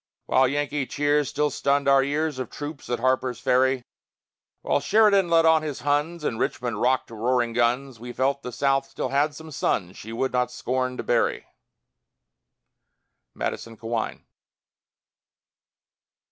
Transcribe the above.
While Yankee cheers still stunned our ears, Of troops at Harper's Ferry, While Sheridan led on his Huns, And Richmond rocked to roaring guns, We felt the South still had some sons She would not scorn to bury. MADISON CAWEIN.